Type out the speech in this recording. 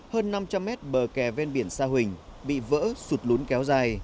hơn năm trăm linh mét bờ kè ven biển sa huỳnh bị vỡ sụt lún kéo dài